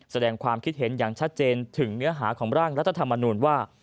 แสดงความคิดเห็นอย่างชัดเจนถึงเนื้อหาของร่างรัฐธรรมนูญว่า